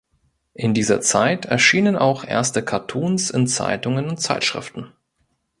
In dieser Zeit erschienen auch erste Cartoons in Zeitungen und Zeitschriften.